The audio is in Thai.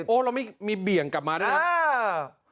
โอ้เราไม่มีเบี่ยงกลับมาได้ครับ